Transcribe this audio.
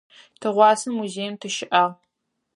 Тыгъуасэ музеим тыщыӏагъ.